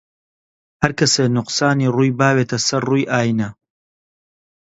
هەر کەسێ نوقسانی ڕووی باوێتە سەر ڕووی ئاینە